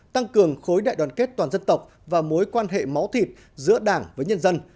tăng cường khối đại đoàn kết toàn dân tộc và mối quan hệ máu thịt giữa đảng với nhân dân